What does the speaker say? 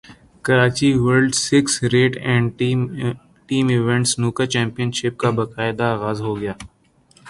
Karachi world six red and team event snooker championship کا باقاعدہ اغاز ہوگیا